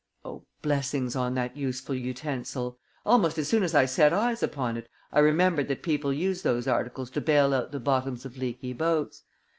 Oh, blessings on that useful utensil! Almost as soon as I set eyes upon it, I remembered that people use those articles to bale out the bottoms of leaky boats.